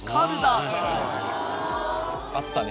あったね。